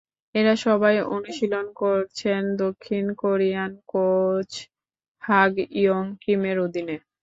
এরা সবাই অনুশীলন করছেন দক্ষিণ কোরিয়ান কোচ হাগ ইয়ং কিমের অধীনে।